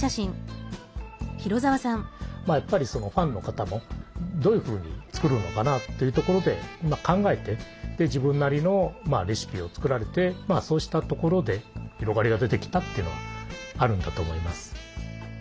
やっぱりそのファンの方もどういうふうに作るのかなっていうところで考えて自分なりのレシピを作られてそうしたところで広がりが出てきたっていうのはあるんだと思います。